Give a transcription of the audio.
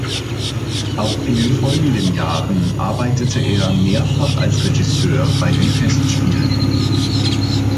Auch in den folgenden Jahren arbeitete er mehrfach als Regisseur bei den Festspielen.